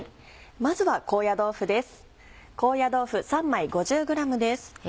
まずは高野豆腐です。